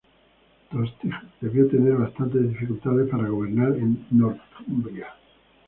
Tostig debió tener bastantes dificultades para gobernar en Northumbria.